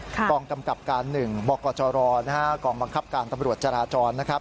กองกำกับการ๑บกร๕กองบังคับการกำรวจจราจร